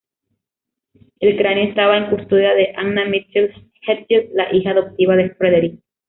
El cráneo estaba en custodia de Anna Mitchell-Hedges, la hija adoptiva de Frederick.